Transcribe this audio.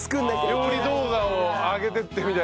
料理動画を上げていってみたいな。